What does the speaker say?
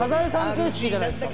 形式じゃないですか？